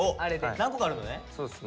何個かあるのね？